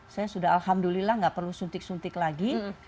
saya sudah alhamdulillah nggak perlu suntik suntik lagi